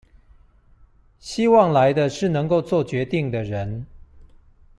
希望來的是能夠作決定的人